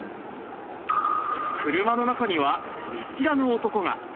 車の中には、見知らぬ男が。